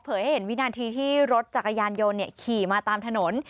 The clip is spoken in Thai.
ให้เห็นวินาทีที่รถจักรยานยนต์ขี่มาตามถนน